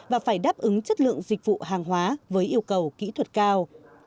và phải đáp ứng chất lượng dịch vụ hàng hóa với yêu cầu kỹ thuật cao